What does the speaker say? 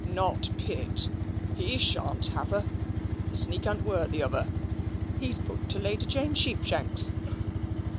"Not Pitt? He sha'n't have her. The sneak a'n't worthy of her. He's booked to Lady Jane Sheepshanks."